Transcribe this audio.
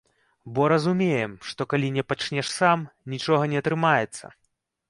Бо разумеем, што калі не пачнеш сам, нічога не атрымаецца!